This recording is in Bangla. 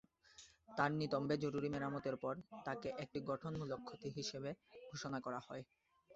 তার নিতম্বে জরুরী মেরামতের পর তাকে একটি গঠনমূলক ক্ষতি হিসাবে ঘোষণা করা হয়।